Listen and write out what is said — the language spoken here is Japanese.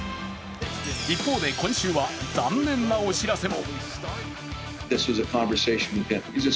一方で今週は残念なお知らせも。